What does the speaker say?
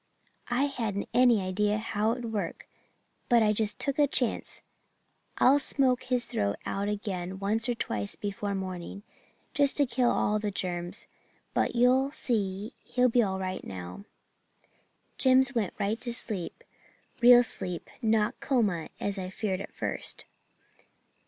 'I hadn't any idea how it would work, but I just took a chance. I'll smoke his throat out again once or twice before morning, just to kill all the germs, but you'll see he'll be all right now.' "Jims went right to sleep real sleep, not coma, as I feared at first.